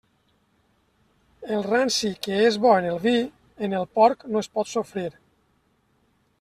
El ranci que és bo en el vi, en el porc no es pot sofrir.